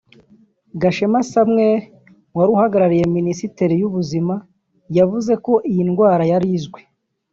Gashema Samuel wari uhagarariye Minisiteri y’Ubuzima yavuze ko iyi ndwara yari izwi